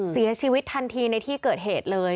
เสียชีวิตทันทีในที่เกิดเหตุเลย